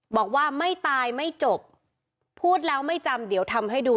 บอกว่าไม่ตายไม่จบพูดแล้วไม่จำเดี๋ยวทำให้ดู